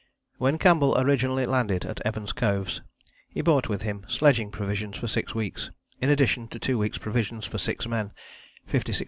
When Campbell originally landed at Evans Coves he brought with him sledging provisions for six weeks, in addition to two weeks' provisions for six men, 56 lbs.